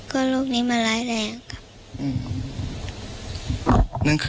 ก็โรคนี้มันร้ายแรงค่ะ